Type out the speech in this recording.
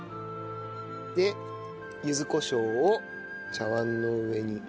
でゆずコショウを茶わんの上に。